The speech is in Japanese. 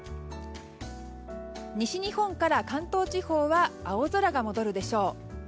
西日本から関東地方は青空が戻るでしょう。